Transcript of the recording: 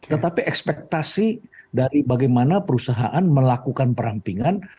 tetapi ekspektasi dari bagaimana perusahaan melakukan perampingan